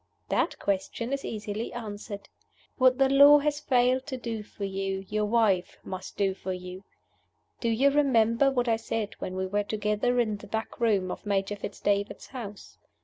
"That question is easily answered. What the Law has failed to do for you, your Wife must do for you. Do you remember what I said when we were together in the back room at Major Fitz David's house?